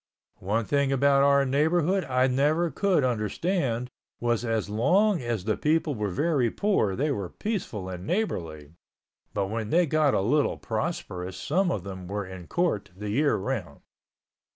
One thing about our neighborhood I never could understand was as long as the people were very poor they were peaceable and neighborly but when they got a little prosperous some of them were in court the year around.